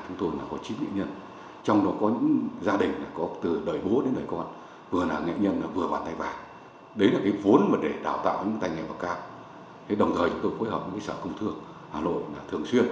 đồng thời chúng tôi phối hợp với sản phẩm công thương hà nội thường xuyên